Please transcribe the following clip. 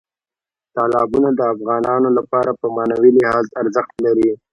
تالابونه د افغانانو لپاره په معنوي لحاظ ارزښت لري.